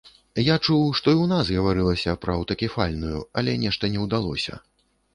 Я чуў, што і ў нас гаварылася пра аўтакефальную, але нешта не ўдалося.